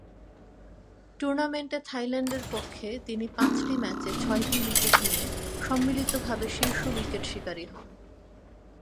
টুর্নামেন্টে থাইল্যান্ডের পক্ষে তিনি পাঁচটি ম্যাচে ছয়টি উইকেট নিয়ে সম্মিলিতভাবে শীর্ষ উইকেট শিকারী হন।